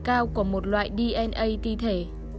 cao của một loại dna ti thể